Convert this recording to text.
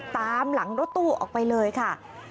ตามหลังรถตู้ออกไปเลยค่ะ